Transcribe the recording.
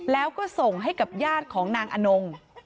แล้วก็ส่งให้กับญาติของนางอนง